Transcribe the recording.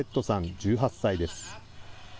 １８歳です。